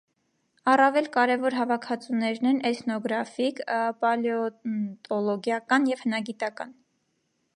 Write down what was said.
Առավել կարևոր հավաքածուներն են՝ էթնոգրաֆիկ, պալեոնտոլոգիական և հնագիտական։